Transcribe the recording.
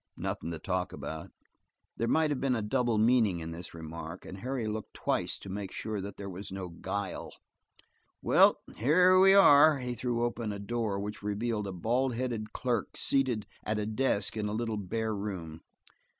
"Nothin' to talk about." There might have been a double meaning in this remark, and Harry looked twice to make sure that there was no guile. "Well, here we are." He threw open a door which revealed a bald headed clerk seated at a desk in a little bare room.